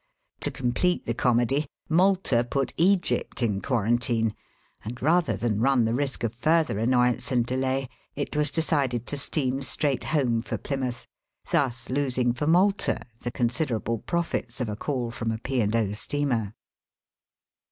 To complete the comedy, Malta put Egypt in quarantine, and rather than run the risk of further annoyance and delay it was decided to steam straight home for Plymouth, thus losing for Malta the con Digitized by VjOOQIC 366 EAST BY WEST, siderable profits of a call from a P. and O. steamer.